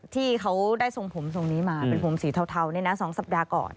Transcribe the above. ที่เขาได้ทรงผมทรงนี้มาเป็นผมสีเทา๒สัปดาห์ก่อน